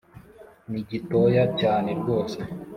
ni gitoya cyane rwose